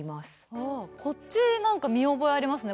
こっち何か見覚えありますね